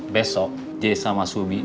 besok je sama subi